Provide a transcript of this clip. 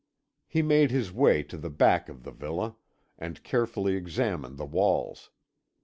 He made his way to the back of the villa, and carefully examined the walls.